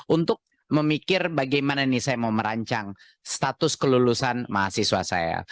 untuk memikir bagaimana ini saya mau merancang status kelulusan mahasiswa saya